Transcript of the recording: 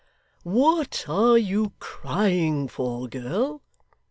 'What are you crying for, girl?